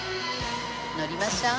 乗りましょう。